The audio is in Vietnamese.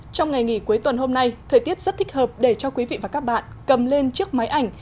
trong ngày nghỉ cuối tuần hôm nay thời tiết rất thích hợp để cho quý vị và các bạn cầm lên chiếc máy ảnh